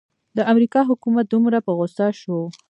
د امریکا حکومت دومره په غوسه شو.